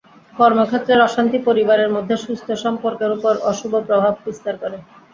কর্মক্ষেত্রের অশান্তি পরিবারের মধ্যে সুস্থ সম্পর্কের ওপর অশুভ প্রভাব বিস্তার করে।